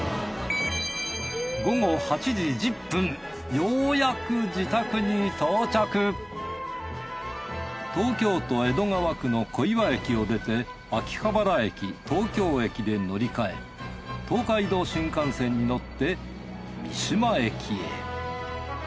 ようやく東京都江戸川区の小岩駅を出て秋葉原駅東京駅で乗り換え東海道新幹線に乗って三島駅へ。